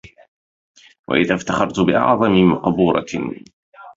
وإذا افتخرت بأعظم مقبورة